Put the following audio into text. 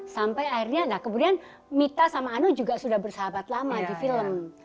sampai akhirnya nah kemudian mita sama anu juga sudah bersahabat lama di film